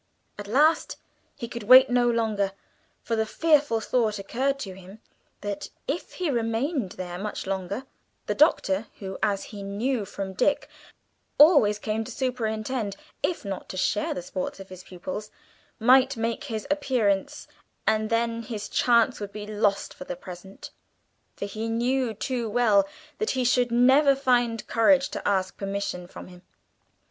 At last he could wait no longer, for the fearful thought occurred to him, that if he remained there much longer, the Doctor who, as he knew from Dick, always came to superintend, if not to share the sports of his pupils might make his appearance, and then his chance would be lost for the present, for he knew too well that he should never find courage to ask permission from him.